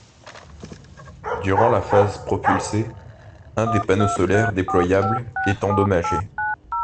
Durant la phase propulsée un des panneaux solaires déployables est endommagé.